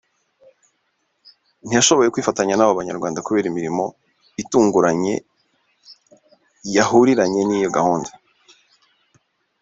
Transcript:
ntiyashoboye kwifatanya n’abo Banyarwanda kubera imirimo itunguranye yahuriranye n’iyo gahunda